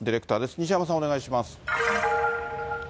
西山さん、お願いします。